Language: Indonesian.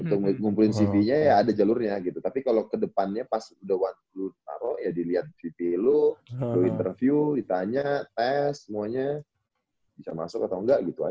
untuk ngumpulin cv nya ya ada jalurnya gitu tapi kalau ke depannya pas udah waktu lu taro ya dilihat vp lu lu interview ditanya tes semuanya bisa masuk atau enggak gitu aja sih